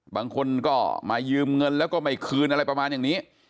บางคนก็มายืมเงินแล้วก็ไม่คืนอะไรประมาณอย่างนี้